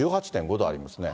１８．５度ありますね。